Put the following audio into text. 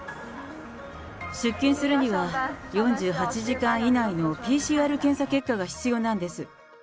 出勤するには、４８時間以内のＰＣＲ検査結果が必要なんです。